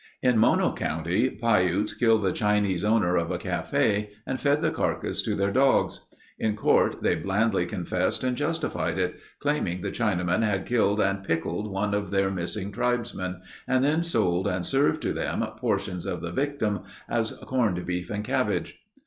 In Mono county Piutes killed the Chinese owner of a cafe and fed the carcass to their dogs. In court they blandly confessed and justified it, claiming the Chinaman had killed and pickled one of their missing tribesmen and then sold and served to them portions of the victim as "corned beef and cabbage."